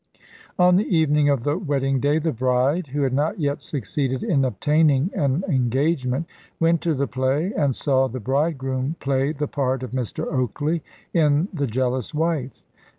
On the evening of the wedding day the bride, who had not yet succeeded in obtaining an engagement, went to the play, and saw the bridegroom play the part of Mr. Oakley in the "Jealous Wife."